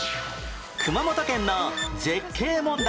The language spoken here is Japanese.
熊本県の絶景問題